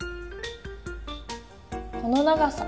この長さ。